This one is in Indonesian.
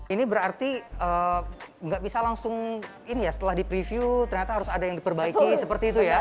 ini berarti nggak bisa langsung ini ya setelah di preview ternyata harus ada yang diperbaiki seperti itu ya